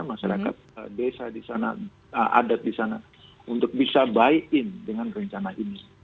masyarakat desa di sana adat di sana untuk bisa buy in dengan rencana ini